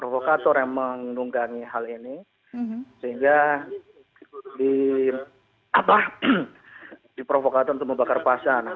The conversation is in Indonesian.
provokator yang menunggangi hal ini sehingga diprovokator untuk membakar pasar